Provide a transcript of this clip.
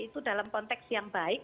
itu dalam konteks yang baik